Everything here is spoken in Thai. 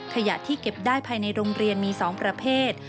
ขยะที่เก็บได้ภายในโรงเรียนมี๒ประเภท